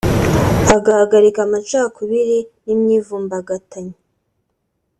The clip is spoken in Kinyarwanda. agahagarika amacakubiri n’imyivumbagatanyo